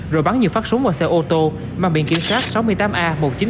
rồi bắn nhiều phát súng vào xe ô tô mang biện kiểm soát sáu mươi tám a